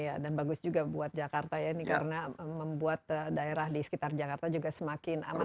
iya dan bagus juga buat jakarta ya ini karena membuat daerah di sekitar jakarta juga semakin aman